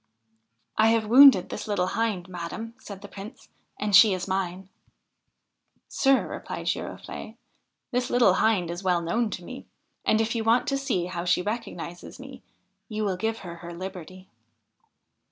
' I have wounded this little Hind, madam,' said the Prince, 'and she is mine.' 4 Sir,' replied Girofle'e, ' this little Hind is well known to me 58 THE HIND OF THE WOOD and, if you want to see how she recognises me, you will give her her liberty.'